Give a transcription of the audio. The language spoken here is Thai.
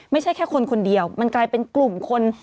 ไม่ใช่แค่คนคนเดียวมันกลายเป็นกลุ่มคน